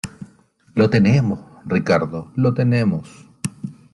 ¡ lo tenemos, Ricardo , lo tenemos!